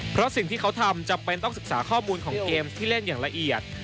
เพราะสิ่งที่เขาทำจำเป็นต้องศึกษาข้อมูลของเกมส์ที่เล่นอย่างละเอียด